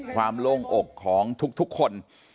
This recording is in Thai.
ความโล่งอกของทุกคน